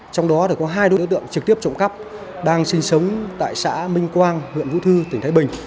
trong đó có hai đối tượng trực tiếp trộm cắp đang sinh sống tại xã minh quang huyện vũ thư tỉnh thái bình